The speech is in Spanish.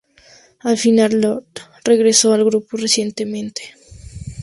Al final, Lord regresó al grupo recientemente.